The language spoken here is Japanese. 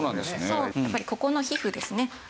そうやっぱりここの皮膚ですね。